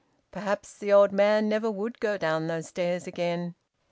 Perhaps the old man never would go down those stairs again!